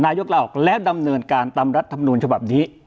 นายกรออกและดำเนินการตามรัฐธรรมดุลฉบับนี้